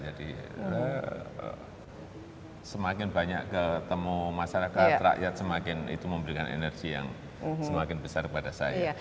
jadi semakin banyak ketemu masyarakat rakyat semakin itu memberikan energi yang semakin besar pada saya